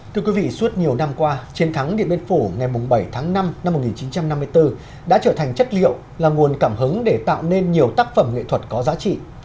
thưa quý vị suốt nhiều năm qua chiến thắng điện biên phủ ngày bảy tháng năm năm một nghìn chín trăm năm mươi bốn đã trở thành chất liệu là nguồn cảm hứng để tạo nên nhiều tác phẩm nghệ thuật có giá trị